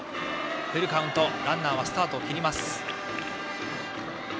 フルカウントなのでランナーはスタートをきります。